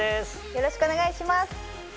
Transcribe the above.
よろしくお願いします。